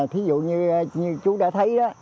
thí dụ như chú đã thấy